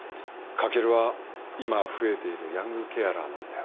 翔は今増えているヤングケアラーなんだよ。